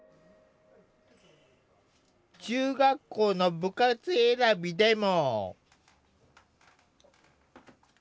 中学校の部活選びでも。